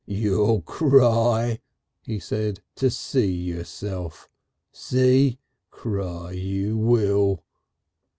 "You'll cry," he said, "to see yourself. See? Cry you will."